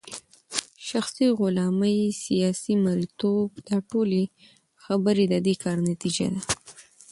شخصي غلامې ، سياسي مريتوب داټولي خبري ددي كار نتيجه ده